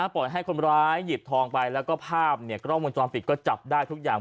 ปล่อยให้คนร้ายหยิบทองไปและภาพกร่องวงจรภิกษ์ก็จับได้ทุกอย่าง